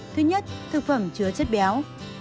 thứ nhất thực phẩm chứa chất béo